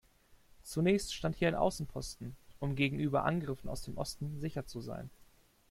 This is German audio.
Zunächst stand hier ein Außenposten, um gegenüber Angriffen aus dem Osten sicher zu sein.